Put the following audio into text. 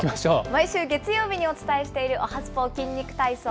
毎週月曜日にお伝えしているおはＳＰＯ筋肉体操。